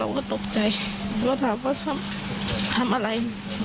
ไม่ให้เห็นอะไรตอนนี้